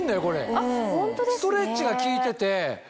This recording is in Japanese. これストレッチが効いてて。